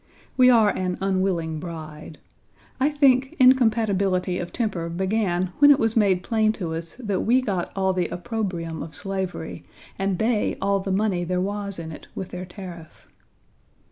We are an unwilling bride. I think incompatibility of temper began when it was made plain to us that we got all the opprobrium of slavery and they all the money there was in it with their tariff.